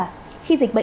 một kiến sách nhân văn